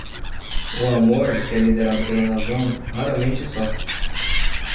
O amor, que é liderado pela razão, raramente sofre.